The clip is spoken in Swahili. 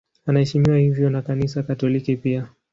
Anaheshimiwa hivyo na Kanisa Katoliki pia.